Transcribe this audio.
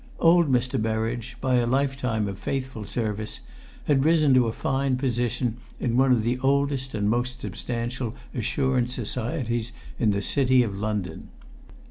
Old Mr. Berridge, by a lifetime of faithful service, had risen to a fine position in one of the oldest and most substantial assurance societies in the City of London.